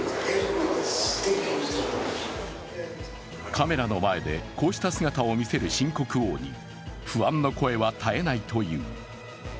カメラの前でこうした姿を見せる新国王に、不安の声は絶えないという。